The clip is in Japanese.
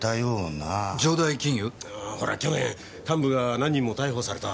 ほら去年幹部が何人も逮捕された。